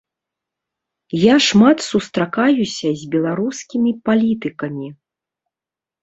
Я шмат сустракаюся з беларускімі палітыкамі.